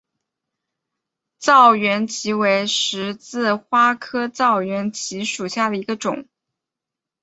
燥原荠为十字花科燥原荠属下的一个种。